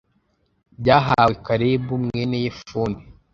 byahawe kalebu, mwene yefune